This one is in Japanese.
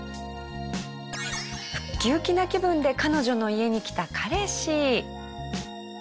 ウッキウキな気分で彼女の家に来た彼氏。